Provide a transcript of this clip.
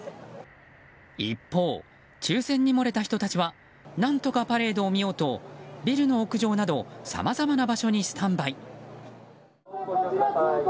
一方、抽選に漏れた人たちは何とかパレードを見ようとビルの屋上などさまざまな場所にスタンバイ。